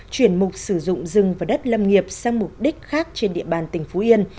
chuyển mục sử dụng rừng và đất lâm nghiệp sang mục đích khác trên địa bàn tỉnh phú yên